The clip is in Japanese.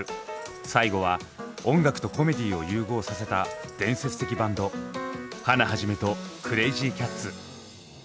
最後は音楽とコメディーを融合させた伝説的バンドハナ肇とクレイジーキャッツ。